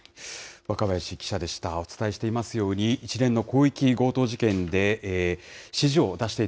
若林記者でした。